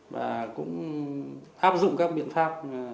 và cũng áp dụng các biện pháp